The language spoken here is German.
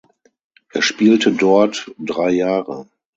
Er spielte dort drei Jahre.